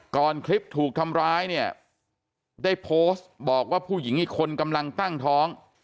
คลิปถูกทำร้ายเนี่ยได้โพสต์บอกว่าผู้หญิงอีกคนกำลังตั้งท้อง